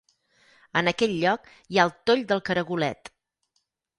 En aquell lloc hi ha el Toll del Caragolet.